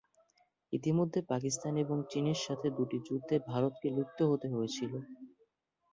ইতিমধ্যে পাকিস্তান এবং চীনের সাথে দুটি যুদ্ধে ভারতকে লিপ্ত হতে হয়েছিল।